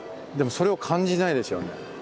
でもそれを感じないですよね。